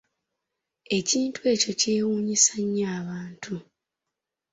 Ekintu ekyo kyewuunyisa nnyo abantu.